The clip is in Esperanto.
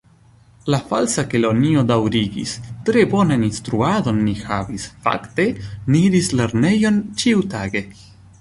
La Falsa Kelonio daŭrigis: "Tre bonan instruadon ni havis; fakte, ni iris lernejon ĉiutage"